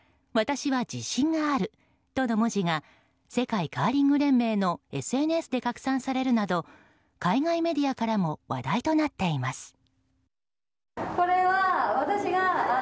「私は自身がある」との文字が世界カーリング連盟のＳＮＳで拡散されるなど海外メディアからも話題となっています。